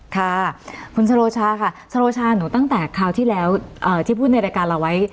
ค่ะคุณสโรชาค่ะสโรชาหนูตั้งแต่คราวที่แล้วที่พูดในรายการเราไว้